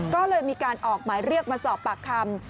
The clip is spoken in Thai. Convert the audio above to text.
ก็เลยมีการออกหมายเรียกมาสอบปากคำ